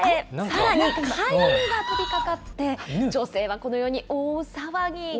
さらに飼い犬がとびかかって、女性はこのように大騒ぎ。